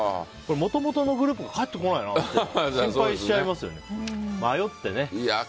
もともとのグループからしたら帰ってこないなって心配しちゃいますよね。